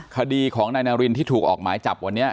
คดีของนายนารินที่ถูกออกหมายจับวันนี้